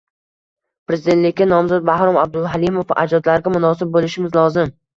Prezidentlikka nomzod Bahrom Abduhalimov: “Ajdodlarga munosib bo‘lishimiz lozim”